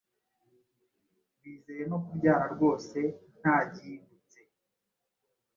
bizeye no kubyara rwose ntagindutse